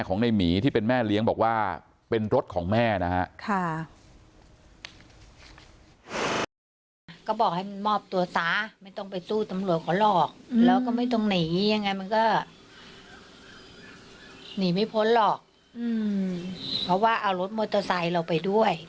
ก็หนีไม่พ้นหรอกเพราะว่าเอารถมอเตอร์ไซค์เราไปด้วย